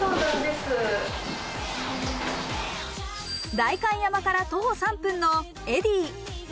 代官山から徒歩３分のＨｅｄｙ。